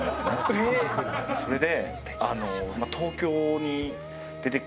それで。